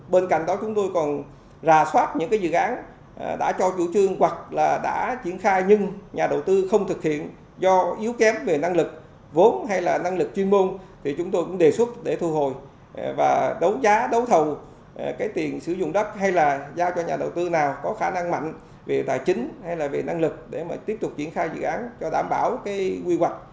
bên cạnh đó chúng tôi còn rà soát những dự án đã cho chủ trương hoặc là đã triển khai nhưng nhà đầu tư không thực hiện do yếu kém về năng lực vốn hay là năng lực chuyên môn thì chúng tôi cũng đề xuất để thu hồi và đấu giá đấu thầu cái tiền sử dụng đất hay là giao cho nhà đầu tư nào có khả năng mạnh về tài chính hay là về năng lực để mà tiếp tục triển khai dự án cho đảm bảo quy quản